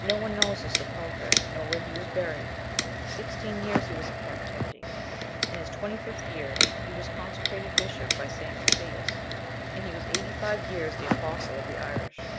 No one knows his sepulchre, nor where he was buried; sixteen(1) years he was in captivity. In his twenty fifth year, he was consecrated bishop by Saint Matheus,(2) and he was eighty five years the apostle of the Irish.